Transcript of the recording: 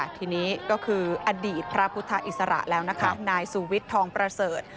ทีนี้ก็คืออดีตพระพุทธอิสระแล้วนะคะนายสุวิทย์ทองประเสริฐ